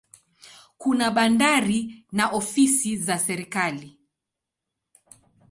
Kuna bandari na ofisi za serikali.